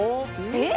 えっ？